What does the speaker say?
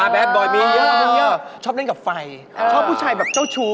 แบบบ่อยมีเยอะมีเยอะชอบเล่นกับไฟชอบผู้ชายแบบเจ้าชู้